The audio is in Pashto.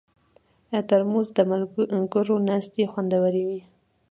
ترموز د ملګرو ناستې خوندوروي.